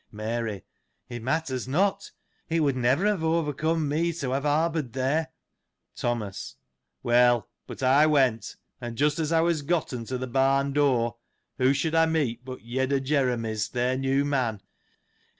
Mary. — It matters not. It would never have overcome me to have harboured there. Thom.as. — Well : but I went, and just as I was gotten to the barn door, whom should I meet, but Yed o' Jeremy's, their new man.